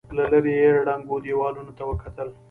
له ليرې يې ړنګو دېوالونو ته وکتل.